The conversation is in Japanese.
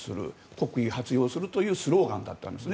国威発揚するというスローガンだったんです。